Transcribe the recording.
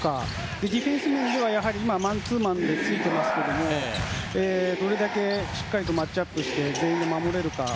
ディフェンス面では今、マンツーマンでついていますがどれだけしっかりとマッチアップして全員で守れるか。